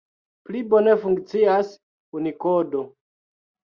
Pli bone funkcias Unikodo.